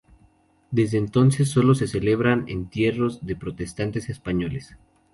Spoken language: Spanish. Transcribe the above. Desde entonces, solo se celebran entierros de protestantes españoles.